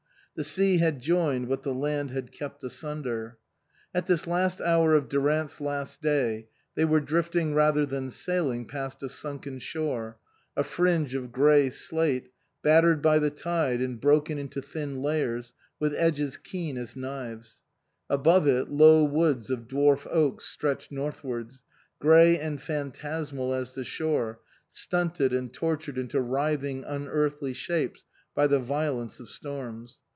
The sea had joined what the land had kept asunder. At this last hour of Durant's last day they were drifting rather than sailing past a sunken shore, a fringe of grey slate, battered by the tide and broken into thin layers, with edges keen as knives ; above it, low woods of dwarf oaks stretched northwards, grey and phantasmal as the shore, stunted and tortured into writhing, unearthly shapes by the violence of storms.